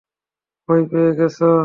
ভয় পেয়ে গেছ?